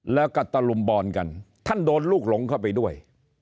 แล้วก็ตะลุมบอลกันท่านโดนลูกหลงเข้าไปด้วย